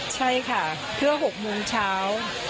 ใช่ค่ะเพื่อ๖โมงเช้า